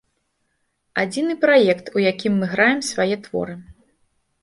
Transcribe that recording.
Адзіны праект, у якім мы граем свае творы.